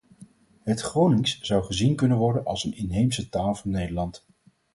Het Gronings zou gezien kunnen worden als een inheemse taal van Nederland.